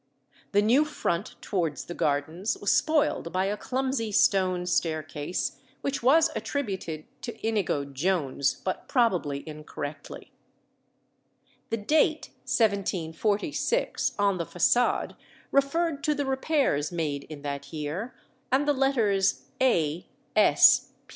The new front towards the gardens was spoiled by a clumsy stone staircase, which was attributed to Inigo Jones, but probably incorrectly. The date, 1746, on the façade referred to the repairs made in that year, and the letters "A.